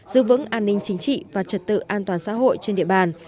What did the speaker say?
giữ vững an ninh chính trị và trật tự an toàn xã hội trên địa bàn